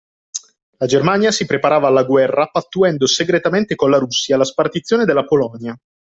La Germania si preparava alla guerra pattuendo segretamente con la Russia la spartizione della Polonia.